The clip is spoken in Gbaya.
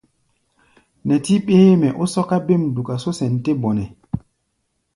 Nɛtí ɓéémɛ ó sɔ́ká bêm duka só sɛn tɛ́ bɔnɛ.